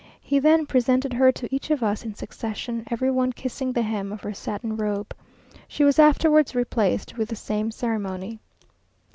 He then presented her to each of us in succession, every one kissing the hem of her satin robe. She was afterwards replaced with the same ceremony.